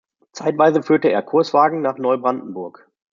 Zeitweise führte er Kurswagen nach Neubrandenburg.